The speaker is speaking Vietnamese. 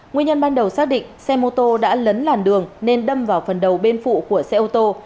nguyên nhân ban đầu xác định xe mô tô đã lấn làn đường nên đâm vào phần đầu bên phụ của xe ô tô